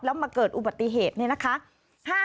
แล้วมาเกิดอุบัติเหตุเนี่ยนะคะ